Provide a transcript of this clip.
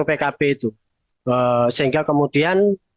sebelumnya di jawa timur ada beberapa jaringan yang berasal dari jawa timur